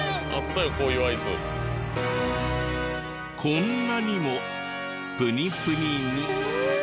こんなにもプニプニに。